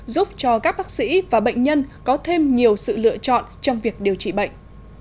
giúp cho các bác sĩ và bệnh nhân có thêm nhiều sự lựa chọn trong việc điều trị bệnh